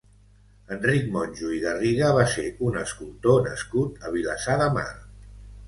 Enric Monjo i Garriga va ser un escultor nascut a Vilassar de Mar.